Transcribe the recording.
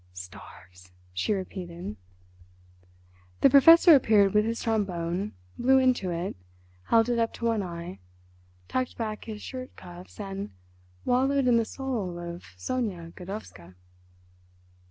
"Starves," she repeated. The Professor appeared with his trombone, blew into it, held it up to one eye, tucked back his shirt cuffs and wallowed in the soul of Sonia Godowska.